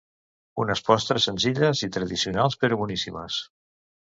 Unes postres senzilles i tradicionals, però boníssimes!